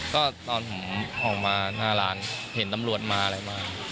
ก็ตอนผมออกมาหน้าร้านเห็นตำรวจมาอะไรมา